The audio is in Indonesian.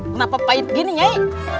kenapa pahit gini nyai